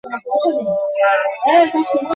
কোনো খবরের কাগজ আনি নি?